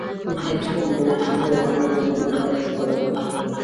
افغانستان د وحشي حیواناتو له امله شهرت لري.